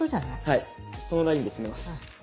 はいそのラインで詰めます。